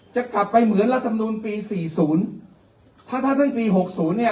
จะกลับไปเหมือนรัฐมนูลปีสี่ศูนย์ถ้าท่านได้ปีหกศูนย์เนี่ย